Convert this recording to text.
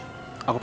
oke lagi ya